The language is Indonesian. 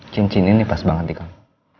cincin ini pas banget di kang